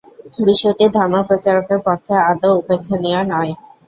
বিষয়টি ধর্মপ্রচারকদের পক্ষে আদৌ উপেক্ষণীয় নয়।